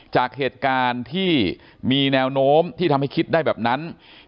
จากเหตุการณ์ที่มีแนวโน้มที่ทำให้คิดได้แบบนั้น